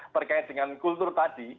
terkait dengan kultur tadi